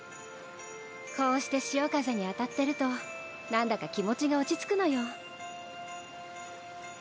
こうして潮風にあたってるとなんだか気持ちが落ち着くのよ。